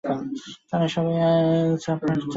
তার সবই আপনারা জানেন।